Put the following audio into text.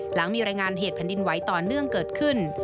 หลังมีรายงานเหตุแผ่นดินไหวต่อเนื่องเกิดขึ้น